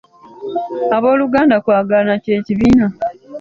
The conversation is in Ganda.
Abooluganda kwagalana kye kibiina.